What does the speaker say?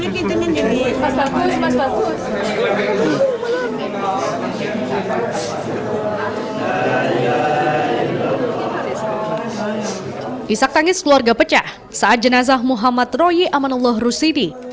kisah tangis keluarga pecah saat jenazah muhammad roy amanullah rusidi